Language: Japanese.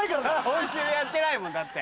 本気でやってないもんだって。